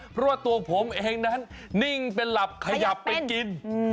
เพราะว่าตัวผมเองนั้นนิ่งเป็นหลับขยับไปกิน